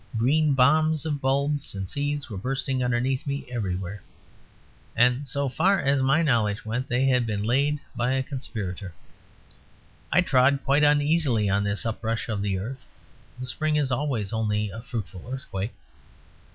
Green bombs of bulbs and seeds were bursting underneath me everywhere; and, so far as my knowledge went, they had been laid by a conspirator. I trod quite uneasily on this uprush of the earth; the Spring is always only a fruitful earthquake.